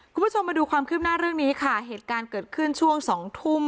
คุณผู้ชมมาดูความคืบหน้าเรื่องนี้ค่ะเหตุการณ์เกิดขึ้นช่วงสองทุ่ม